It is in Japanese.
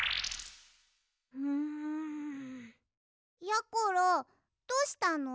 やころどうしたの？